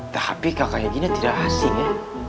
tapi kakaknya gina tidak asing ya